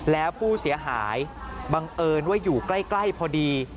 แล้วผู้เสียหายบังเอิญว่าอยู่ใกล้พอดี